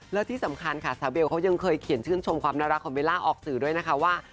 และที่สำคัญค่ะสาวเบลเขายังเคยเขียนชื่นชมความน่ารักของเบลล่าออกสื่อด้วยนะคะว่า